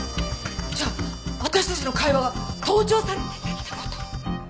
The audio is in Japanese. じゃあ私たちの会話が盗聴されてたって事！？